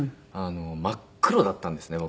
真っ黒だったんですね